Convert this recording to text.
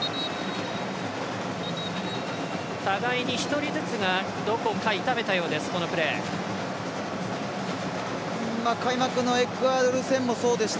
互いに１人ずつがどこか痛めたようです。